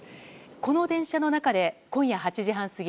この電車の中で、今夜８時半過ぎ